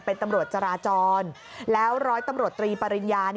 เป็นตำรวจจราจรแล้วร้อยตำรวจตรีปริญญา